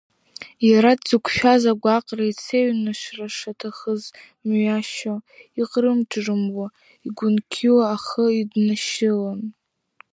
Иара дзықәшәаз агәаҟра ицеиҩнашар шаҭахыз мҩашьо, иҟрымҿрымуа, игәынқьуа ахы иднашьылон.